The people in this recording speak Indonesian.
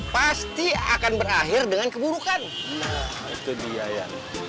pasti akan berakhir dengan keburukan itu dia ya